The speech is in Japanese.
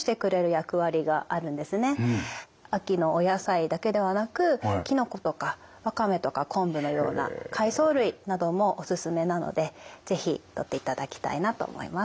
秋のお野菜だけではなくきのことかワカメとか昆布のような海藻類などもおすすめなので是非とっていただきたいなと思います。